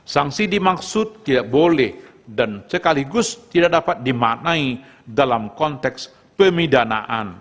sanksi dimaksud tidak boleh dan sekaligus tidak dapat dimaknai dalam konteks pemidanaan